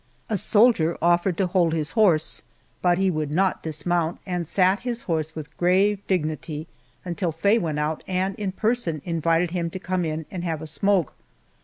A soldier offered to hold his horse, but he would not dismount, and sat his horse with grave dignity until Faye went out and in person invited him to come in and have a smoke.